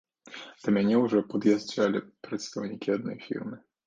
Да мяне ўжо пад'язджалі прадстаўнікі адной фірмы.